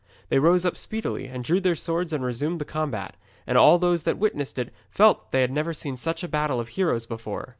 They rose up speedily and drew their swords and resumed the combat; and all those that witnessed it felt that they had never seen such a battle of heroes before.